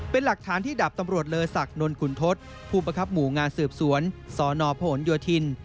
เป็นหลักฐานที่ดับตำรวจเลอศักดินนขุนทศผู้ประคับหมู่งานสืบสวนสนพหนโยธิน